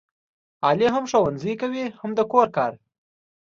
علي هم ښوونځی کوي هم د کور کار.